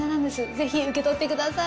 ぜひ受け取ってください。